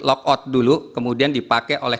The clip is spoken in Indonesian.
lock out dulu kemudian dipakai oleh